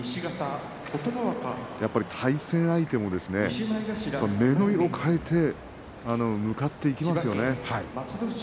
やはり、対戦相手も目の色を変えて向かってきますよね。